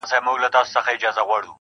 وروسته له ده د چا نوبت وو رڼا څه ډول وه~